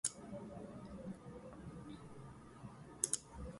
This may involve organizing an exhibition, a presentation, or a demonstration.